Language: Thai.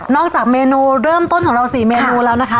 จากเมนูเริ่มต้นของเรา๔เมนูแล้วนะคะ